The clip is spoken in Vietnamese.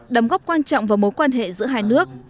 đóng góp quan trọng vào mối quan hệ giữa hai nước